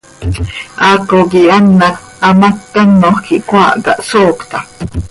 ¡Haaco quih an hac hamác canoj quih cöhaahca, hsoocta!